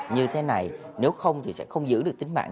như thế này nếu không thì sẽ không giữ được tính mạng